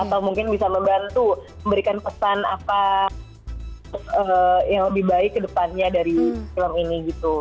atau mungkin bisa membantu memberikan pesan apa yang lebih baik ke depannya dari film ini gitu